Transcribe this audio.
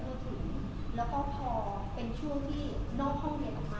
เพื่อที่เราจะสามารถดูแลนักเรียนเข้าสูง